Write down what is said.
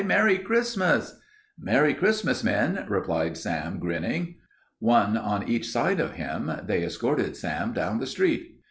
"Merry Christmas!" "Merry Christmas, men," replied Sam, grinning. One on each side of him, they escorted Sam down the street.